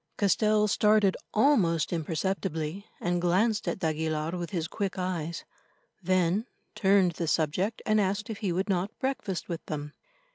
Castell started almost imperceptibly, and glanced at d'Aguilar with his quick eyes, then turned the subject and asked if he would not breakfast with them.